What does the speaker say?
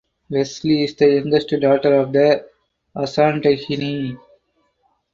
Lesley is the youngest daughter of the Asantehene.